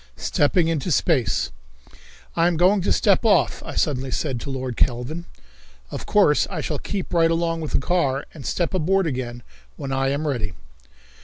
Stepping Into Space. "I am going to step off," I suddenly said to Lord Kelvin. "Of course I shall keep right along with the car, and step aboard again when I am ready."